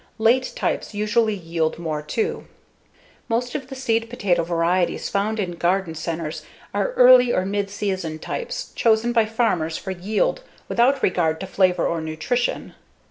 Late types usually yield more, too. Most of the seed potato varieties found in garden centers are early or midseason types chosen by farmers for yield without regard to flavor or nutrition.